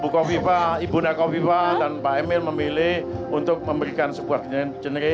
bu kofifa ibu naka kofifa dan pak emil memilih untuk memberikan sebuah genre